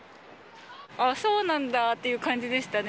ああ、そうなんだっていう感じでしたね。